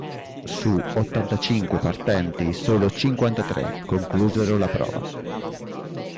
Su ottantacinque partenti, solo cinquantatré conclusero la prova.